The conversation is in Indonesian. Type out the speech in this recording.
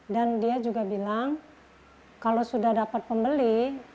dan dia juga bilang kalau sudah dapat pembeli